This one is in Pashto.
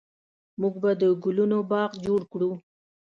موږ به د ګلونو باغ جوړ کړو